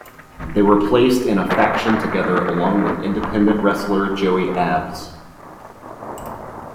They were placed in a faction together along with independent wrestler Joey Abs.